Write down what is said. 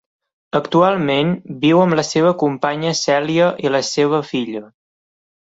Actualment, viu amb la seva companya Celia i la seva filla.